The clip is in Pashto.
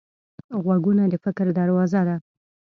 غوږونه د فکر دروازه ده